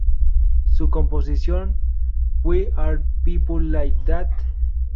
Su composición "Why Are People Like That?